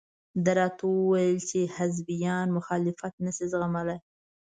ده راته وویل چې حزبیان مخالفت نشي زغملى.